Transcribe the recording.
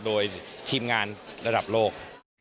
โดยทีมงานระดับโลก